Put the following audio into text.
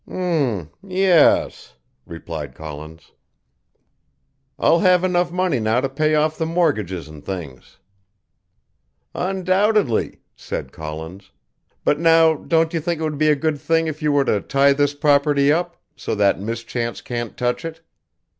"M yes," replied Collins. "I'll have enough money now to pay off the mortgages and things." "Undoubtedly," said Collins, "but, now, don't you think it would be a good thing if you were to tie this property up, so that mischance can't touch it.